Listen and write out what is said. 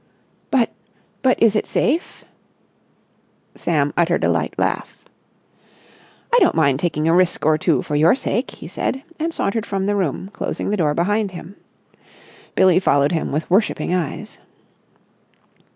"But—but is it safe?" Sam uttered a light laugh. "I don't mind taking a risk or two for your sake," he said, and sauntered from the room, closing the door behind him. Billie followed him with worshipping eyes.